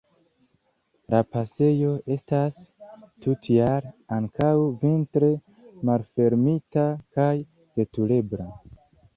La pasejo estas tutjare, ankaŭ vintre, malfermita kaj veturebla.